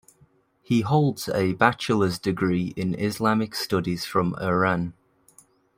He holds a bachelor's degree in Islamic studies from Iran.